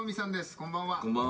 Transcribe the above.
「こんばんは！」。